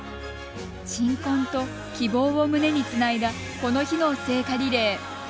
鎮魂と希望を胸につないだこの日の聖火リレー。